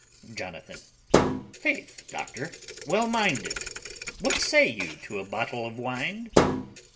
JONATHAN. Faith, doctor! well minded. What say you to a bottle of wine?